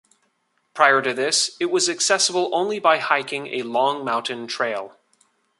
Prior to this, it was accessible only by hiking a long mountain trail.